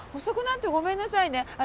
遅くなってごめんなさいね。